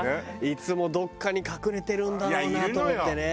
いつもどこかに隠れてるんだろうなと思ってね。